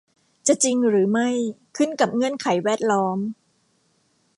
จะจริงหรือไม่ขึ้นกับเงื่อนไขแวดล้อม